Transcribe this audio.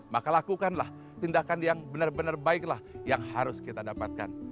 maka lakukanlah tindakan yang benar benar baiklah yang harus kita dapatkan